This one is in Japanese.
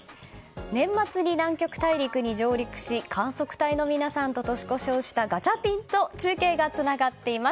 年末に南極大陸に上陸し観測隊の皆さんと年越ししたガチャピンと中継がつながっています。